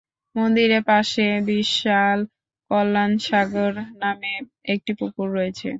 মন্দিরে পাশে বিশাল কল্যাণ সাগর নামে একটি পুকুর রয়েছে।